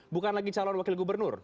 bukan lagi calon wakil gubernur